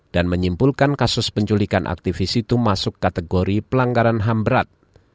dan menyimpulkan kasus penculikan aktivis itu masuk kategori pelanggaran hamp berat